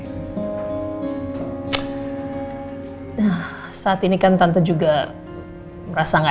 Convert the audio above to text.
nah saat ini kan tante juga merasa gak enak sih